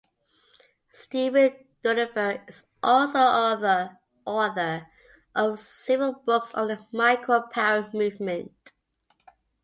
Stephen Dunifer is also author of several books on the micropower movement.